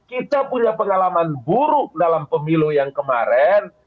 kita punya pengalaman buruk dalam pemilu yang kemarin